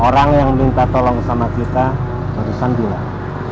orang yang n auster tolong sama kita teruskan bilang